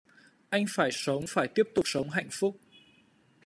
Anh phải sống phải tiếp tục sống hạnh phúc